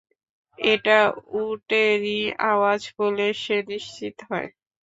এটা উটেরই আওয়াজ বলে সে নিশ্চিত হয়।